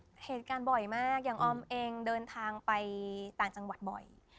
บางเวลาก็เจอกันบ่อยมากอ้นเรืออย่างอล์มเองเดินขึ้นบนแต่งจังหวัดบ่อย